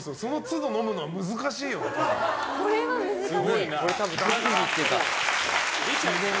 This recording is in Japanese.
これは難しいな。